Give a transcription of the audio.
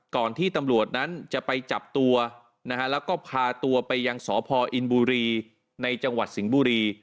ก่อนที่ตำรวจนั้นจะไปจับตัวนะฮะแล้วก็พาตัวไปยังสพอินบุรีในจังหวัดสิงห์บุรี